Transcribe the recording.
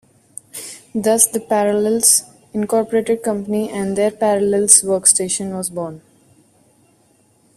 Thus, the Parallels, Incorporated company and their Parallels Workstation was born.